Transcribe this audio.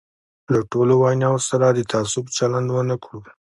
له ټولو ویناوو سره د تعصب چلند ونه کړو.